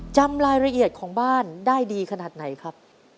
จำรายละเอียดของบ้านได้ดีขนาดไหนครับ